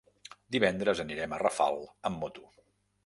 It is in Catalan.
Divendres anirem a Rafal amb moto.